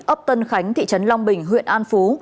ấp tân khánh thị trấn long bình huyện an phú